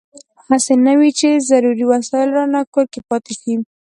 هسې نه وي چې ضروري وسایل رانه کور کې پاتې شي.